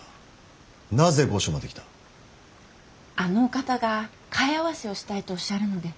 あのお方が貝合わせをしたいとおっしゃるので。